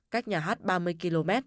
cách nhà hát ba mươi km